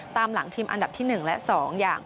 ตามหลังทีมอันดับที่๑และ๒อย่าง